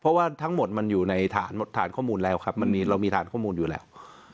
เพราะว่าทั้งหมดมันอยู่ในฐานข้อมูลแล้วครับเรามีฐานข้อมูลอยู่แล้ว